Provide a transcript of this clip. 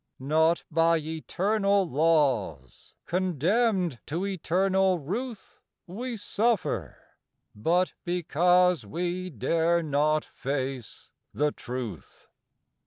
Not by eternal laws Condemn'd to eternal ruth, We suffer; but because We dare not face the truth.